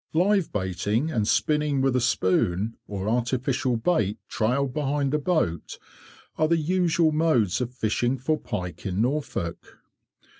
Live baiting and spinning with a spoon, or artificial bait trailed behind a boat, are the usual modes of fishing for pike in Norfolk.